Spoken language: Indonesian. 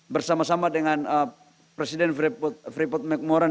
bersama sama dengan presiden freeport mcmoran